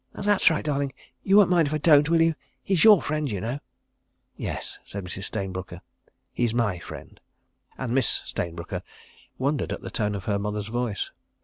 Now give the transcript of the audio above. "That's right, darling. You won't mind if I don't, will you? ... He's your friend, you know." "Yes," said Mrs. Stayne Brooker, "he's my friend," and Miss Stayne Brooker wondered at the tone of her mother's voice.